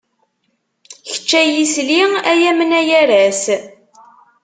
Kečč ay isli, ay amnay aras.